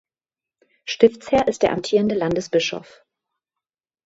Stiftsherr ist der amtierende Landesbischof.